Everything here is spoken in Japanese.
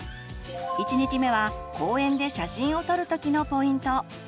１日目は公園で写真を撮る時のポイント。